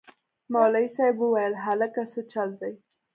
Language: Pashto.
مولوي صاحب وويل هلکه سه چل دې.